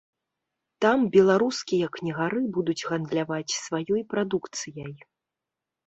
Там беларускія кнігары будуць гандляваць сваёй прадукцыяй.